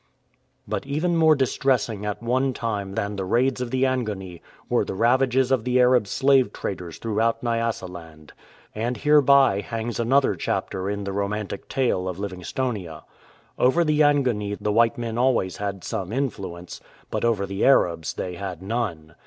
But even more distressing at one time than the raids of the Angoni were the ravages of the Arab slave traders throughout Nyasaland. And hereby hangs another chapter in the romantic tale of Livingstonia. Over the Angoni the white men always had some influence, but over the Arabs they had none.